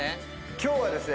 今日はですね。